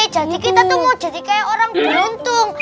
jadi kita tuh mau jadi kayak orang beruntung